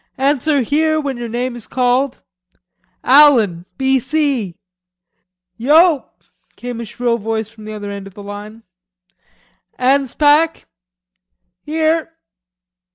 "Answer 'Here' when your name is called. Allan, B.C." "Yo!" came a shrill voice from the end of the line. "Anspach." "Here."